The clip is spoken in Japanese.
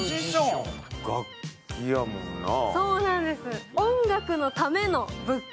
楽器やもんなあ。